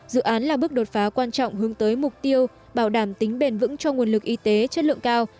dự án là bước đột phá quan trọng hướng tới mục tiêu bảo đảm tính bền vững cho nguồn lực y tế chất lượng cao